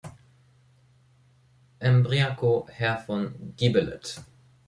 Embriaco, Herr von Gibelet.